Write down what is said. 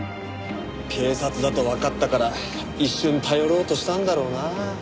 警察だとわかったから一瞬頼ろうとしたんだろうな。